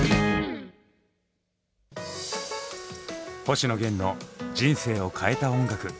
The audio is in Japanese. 星野源の人生を変えた音楽。